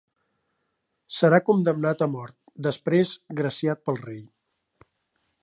Serà condemnat a mort després graciat pel rei.